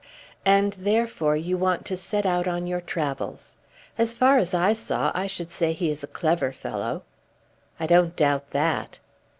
"And therefore you want to set out on your travels. As far as I saw I should say he is a clever fellow." "I don't doubt that."